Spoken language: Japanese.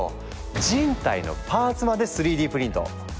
人体のパーツまで３Ｄプリント！